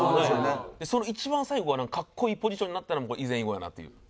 その一番最後がかっこいいポジションになったのも以前以後やなっていう。